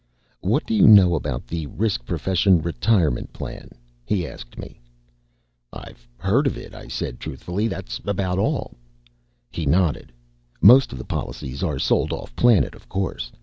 "What do you know about the Risk Profession Retirement Plan?" he asked me. "I've heard of it," I said truthfully. "That's about all." He nodded. "Most of the policies are sold off planet, of course.